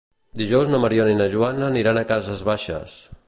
Dijous na Mariona i na Joana aniran a Cases Baixes.